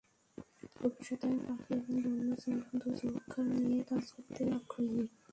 ভবিষ্যতে আমি পাখি এবং বন্য জন্তু রক্ষা নিয়ে কাজ করতে আগ্রহী।